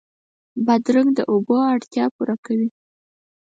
بادرنګ د اوبو اړتیا پوره کوي.